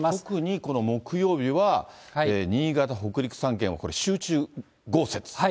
特にこの木曜日は新潟、北陸３県はこれ、集中豪雪。